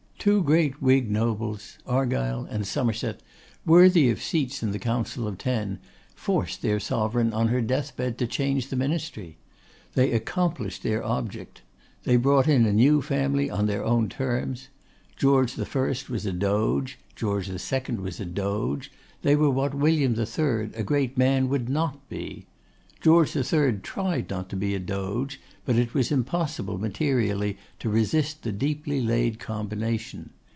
Two great Whig nobles, Argyle and Somerset, worthy of seats in the Council of Ten, forced their Sovereign on her deathbed to change the ministry. They accomplished their object. They brought in a new family on their own terms. George I. was a Doge; George II. was a Doge; they were what William III., a great man, would not be. George III. tried not to be a Doge, but it was impossible materially to resist the deeply laid combination.